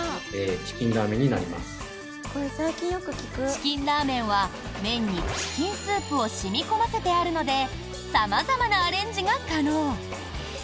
チキンラーメンは麺にチキンスープを染み込ませてあるので様々なアレンジが可能。